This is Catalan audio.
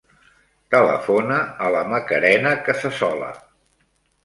Telefona a la Macarena Casasola.